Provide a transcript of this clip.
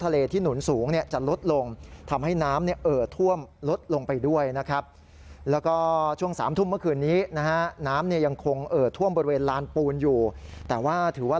และคาดว่าไม่เกิน๓ทุ่ม